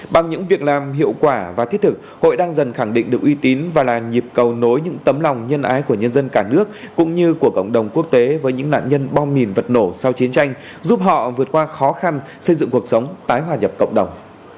bằng những việc làm hiệu quả và thiết thực hội đang dần khẳng định được uy tín và là nhịp cầu nối những tấm lòng nhân ái của nhân dân cả nước cũng như của cộng đồng quốc tế với những nạn nhân bom mìn vật nổ sau chiến tranh giúp họ vượt qua khó khăn xây dựng cuộc sống tái hòa nhập cộng đồng